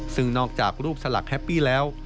ซึ่งนอกจากรูปสลักแฮปปี้แล้ว